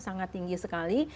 sangat tinggi sekali